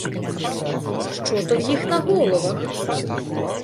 Що то в їх на головах?